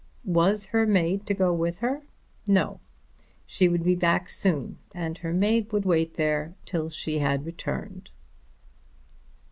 Was her maid to go with her? No. She would be back soon, and her maid would wait there till she had returned.